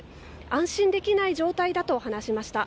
安心できない状態だと話しました。